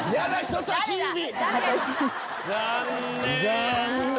残念！